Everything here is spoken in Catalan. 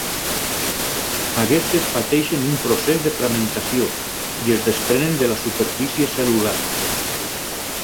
Aquestes pateixen un procés de fragmentació i es desprenen de la superfície cel·lular.